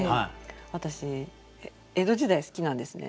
私江戸時代好きなんですね。